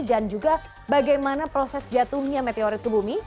dan juga bagaimana proses jatuhnya meteorit ke bumi